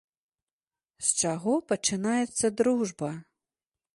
З чаго пачынаецца дружба?